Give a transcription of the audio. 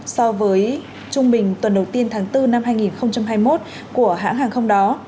so với trung bình tuần đầu tiên tháng bốn năm hai nghìn hai mươi một của hãng hàng không đó